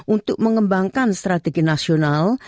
untuk mengembangkan strategi nasional